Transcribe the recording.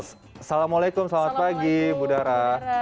assalamualaikum selamat pagi budara